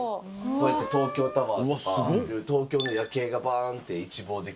こうやって東京タワーとか東京の夜景がバーンって一望できる。